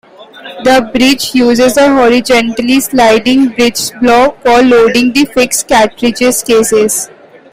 The breech uses a horizontally sliding breechblock for loading the fixed cartridge cases.